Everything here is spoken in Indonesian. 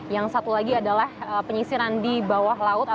yang satu lagi adalah penyisiran di bawah laut